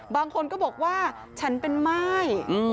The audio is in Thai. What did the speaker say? บางคนก็บอกว่าฉันเป็นม่าย